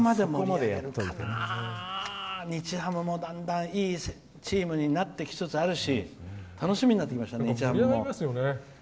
日ハムもだんだんいいチームになってきつつあるし盛り上がりますよね。